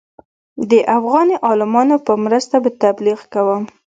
د افغاني عالمانو په مرسته به تبلیغ کوم.